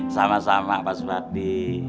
sama sama pak subadi